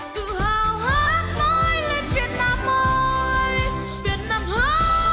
tự hào hát nói lên việt nam ơi